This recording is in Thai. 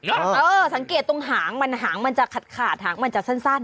เออสังเกตตรงหางมันหางมันจะขาดหางมันจะสั้น